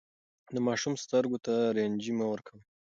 د ماشوم سترګو ته رنجې مه ورکوئ.